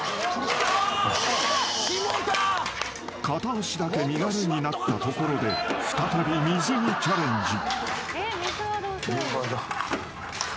［片足だけ身軽になったところで再び水にチャレンジ］